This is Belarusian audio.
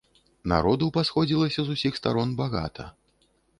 Народу пасходзілася з усіх старон багата.